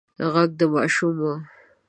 غږ د ماشوم و.